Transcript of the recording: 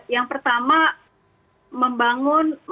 yang pertama membangun